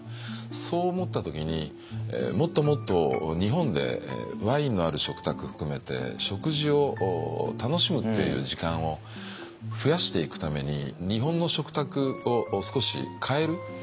そう思った時にもっともっと日本でワインのある食卓含めて食事を楽しむっていう時間を増やしていくために日本の食卓を少し変える。